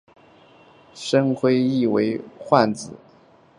深灰槭为无患子科槭属的植物。